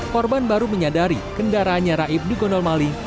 korban baru menyadari kendaraannya raib di gondol mali